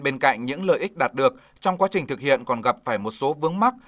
bên cạnh những lợi ích đạt được trong quá trình thực hiện còn gặp phải một số vướng mắt